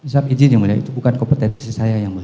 siap izin yang mulia itu bukan kompetensi saya yang mulia